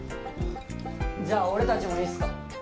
じゃあ俺たちもいいっすか？